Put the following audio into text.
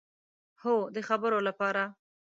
هو، د خبرو لپاره